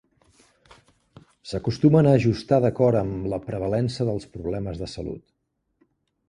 S'acostumen a ajustar d'acord amb la prevalença dels problemes de salut.